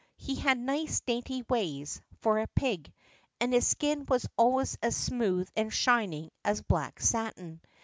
He had nice dainty ways, for a pig, and his skin was always as smooth and shining as black satin.